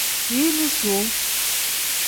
Ziini suu.